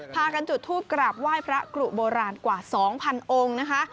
พากันจุดทูปกราบไหว้พระกรุโบราณกว่า๒๐๐องค์นะคะ